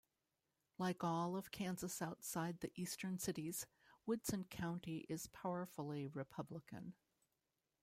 Like all of Kansas outside the eastern cities, Woodson County is powerfully Republican.